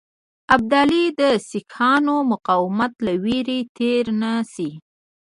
ابدالي د سیکهانو مقاومت له وېرې تېر نه شي.